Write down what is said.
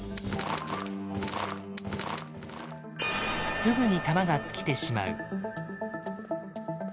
すぐに弾が尽きてしまう。